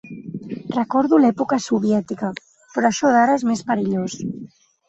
“Recordo l’època soviètica, però això d’ara és més perillós”